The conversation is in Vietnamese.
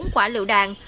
bốn quả lựu đạn